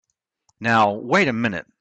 Now wait a minute!